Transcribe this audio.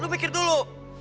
lu mikir dulu